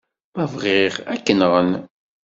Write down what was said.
Ma bɣiɣ, ad k-nɣen.